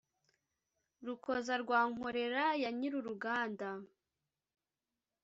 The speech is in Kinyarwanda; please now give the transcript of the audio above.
rukoza rwa nkorera ya nyiruruganda,